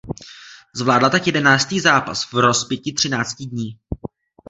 Zvládla tak jedenáctý zápas v rozpětí třinácti dní.